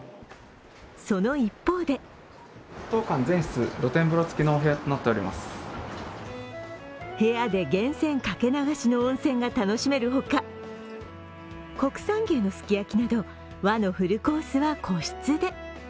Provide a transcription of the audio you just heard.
その一方で部屋で源泉掛け流しの温泉が楽しめるほか国産牛のすき焼きなど、和のフルコースは個室で。